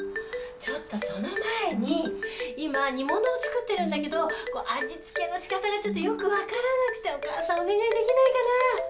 ちょっとその前に今煮物を作ってるんだけど味付けのしかたがちょっとよく分からなくてお母さんお願いできないかな？